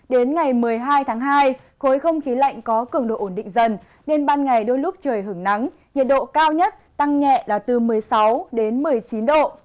đến ngày một mươi hai tháng hai khối không khí lạnh có cường độ ổn định dần nên ban ngày đôi lúc trời hưởng nắng nhiệt độ cao nhất tăng nhẹ là từ một mươi sáu đến một mươi chín độ